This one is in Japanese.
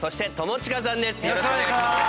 よろしくお願いします。